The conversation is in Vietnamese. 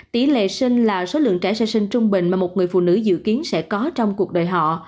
tỷ lệ sinh là số lượng trẻ sơ sinh trung bình mà một người phụ nữ dự kiến sẽ có trong cuộc đời họ